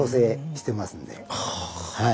はい。